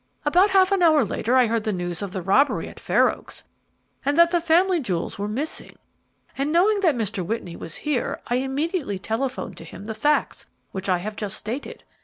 About half an hour later I heard the news of the robbery at Fair Oaks, and that the family jewels were missing; and knowing that Mr. Whitney was here, I immediately telephoned to him the facts which I have just stated.